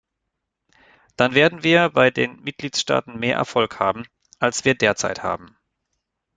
Dann werden wir bei den Mitgliedstaaten mehr Erfolg haben, als wir derzeit haben.